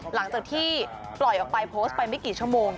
หลังจากที่ปล่อยออกไปโพสต์ไปไม่กี่ชั่วโมง